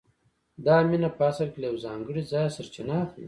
دا مینه په اصل کې له یو ځانګړي ځایه سرچینه اخلي